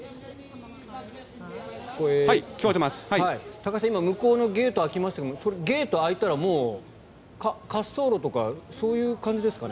高橋さん、今向こうのゲートが開きましたけどそれ、ゲートが開いたらもう滑走路とかそういう感じですかね？